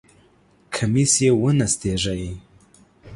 کمیس یې ونستېږی!